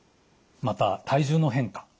また体重の変化。